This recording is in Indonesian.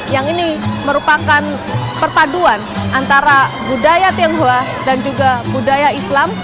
yang ini merupakan perpaduan antara budaya tionghoa dan juga budaya islam